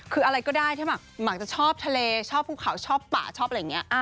คืออะไรก็ได้ถ้าหมักจะชอบทะเลชอบภูเขาชอบป่าชอบอะไรอย่างนี้